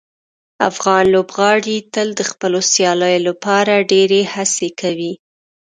افغان لوبغاړي تل د خپلو سیالیو لپاره ډیرې هڅې کوي.